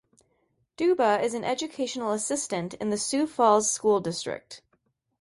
Duba is an Educational Assistant in the Sioux Falls School District.